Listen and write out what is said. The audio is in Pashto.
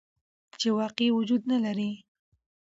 چې واقعي وجود نه لري.